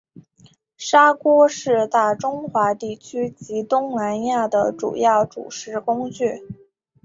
炒锅是大中华地区及东南亚的主要煮食工具。